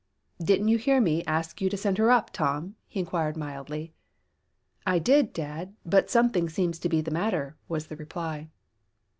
"Didn't you hear me ask you to send her up, Tom?" he inquired mildly. "I did, dad, but something seems to be the matter," was the reply.